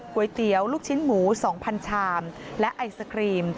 ก๋วยเตี๋ยวลูกชิ้นหมู๒๐๐ชามและไอศครีม